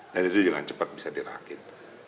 dan itu jangan cepat bisa dirakit